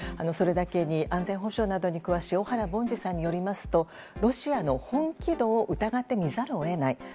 それだけに安全保障などに詳しい小原凡司さんによりますとロシアの本気度を疑って見ざるを得ない。